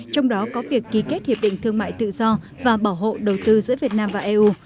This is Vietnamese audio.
trong đó có việc ký kết hiệp định thương mại tự do và bảo hộ đầu tư giữa việt nam và eu